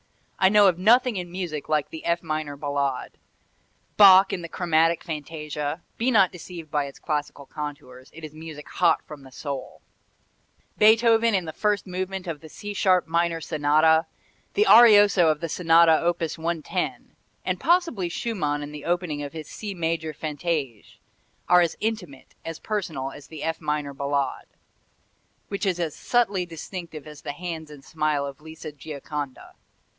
I know of nothing in music like the F minor Ballade. Bach in the Chromatic Fantasia be not deceived by its classical contours, it is music hot from the soul Beethoven in the first movement of the C sharp minor Sonata, the arioso of the Sonata op. 110, and possibly Schumann in the opening of his C major Fantaisie, are as intimate, as personal as the F minor Ballade, which is as subtly distinctive as the hands and smile of Lisa Gioconda.